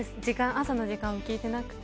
朝の時間を聞いてなくて。